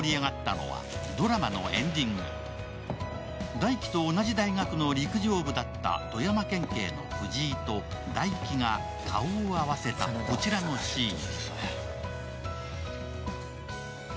大輝と同じ大学の陸上部だった富山県警の藤井と大輝が顔を合わせたこちらのシーン。